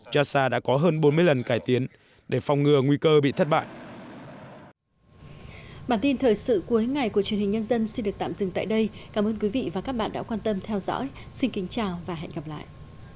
thời sự cuối ngày của truyền hình nhân dân xin được tạm dừng tại đây cảm ơn quý vị và các bạn đã quan tâm theo dõi xin kính chào và hẹn gặp lại